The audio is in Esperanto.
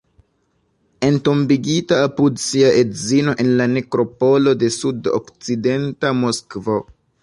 Entombigita apud sia edzino en la nekropolo de sud-okcidenta Moskvo.